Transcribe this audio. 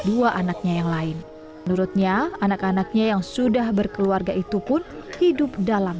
dua anaknya yang lain menurutnya anak anaknya yang sudah berkeluarga itu pun hidup dalam